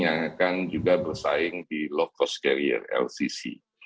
yang akan juga bersaing di low cost carrier lcc